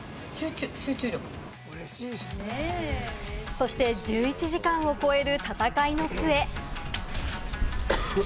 そして１１時間を超える戦いの末。